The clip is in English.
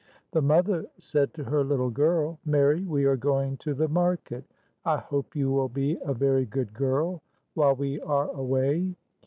The mother said to her little girl, " Mary, we are going to the market. I hope you will be a very good girl while we are away.